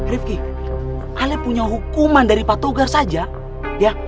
riefki ali punya hukuman dari patogar saja ya